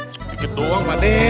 sedikit doang pakde